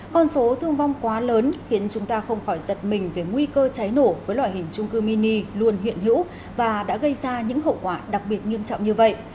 con số thương vong quá lớn khiến chúng ta không khỏi giật mình về nguy cơ cháy nổ với loại hình trung cư mini luôn hiện hữu và đã gây ra những hậu quả đặc biệt nghiêm trọng như vậy